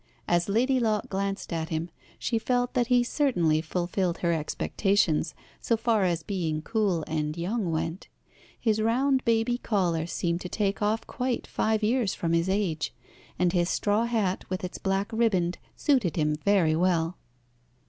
As Lady Locke glanced at him, she felt that he certainly fulfilled her expectations, so far as being cool and young went. His round baby collar seemed to take off quite five years from his age, and his straw hat, with its black riband, suited him very well.